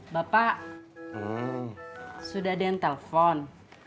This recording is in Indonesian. bapak sudah ada yang telpon